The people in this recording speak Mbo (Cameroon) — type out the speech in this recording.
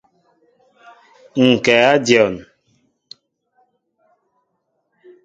Ŋ kɛ a dion.